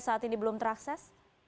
saat ini belum terakses